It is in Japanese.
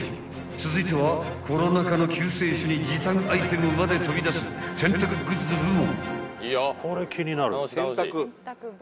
［続いてはコロナ禍の救世主に時短アイテムまで飛び出す洗濯グッズ部門］